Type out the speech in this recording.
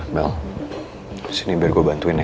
mel kesini biar gue bantuin ya